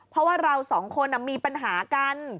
เพราะว่าเราสองคนมีปัญหากัน